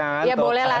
oke ya boleh lah